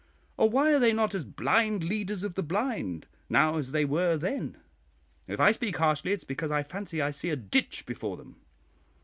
or why are they not as 'blind leaders of the blind' now as they were then? If I speak harshly, it is because I fancy I see a ditch before them.